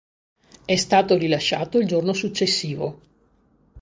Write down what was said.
È stato rilasciato il giorno successivo.